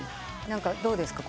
どうですか？